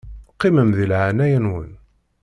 Qqimem di leɛnaya-nwen.